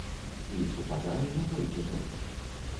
І супадае не толькі гэта.